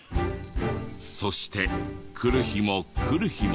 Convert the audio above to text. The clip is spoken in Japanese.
そして来る日も来る日も。